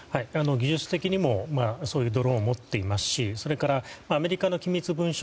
技術的にも、そういうドローンを持っていますしアメリカの機密文書。